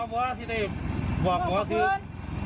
บอกมาก่อน